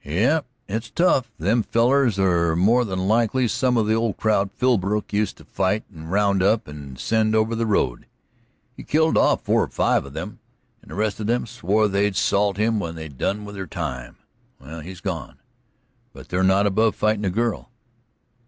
"Yes, it is tough. Them fellers are more than likely some of the old crowd Philbrook used to fight and round up and send over the road. He killed off four or five of them, and the rest of them swore they'd salt him when they'd done their time. Well, he's gone. But they're not above fightin' a girl."